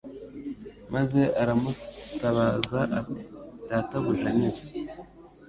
maze aramutabaza ati: «Databuja nkiza »